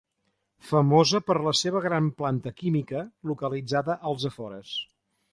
Famosa per la seva gran planta química, localitzada als afores.